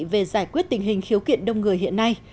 về giải quyết tình hình khiếu kiện đông người hiện nay